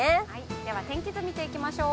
では、天気図見ていきましょう。